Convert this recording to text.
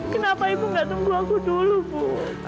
kenapa ibu gak tunggu aku dulu bu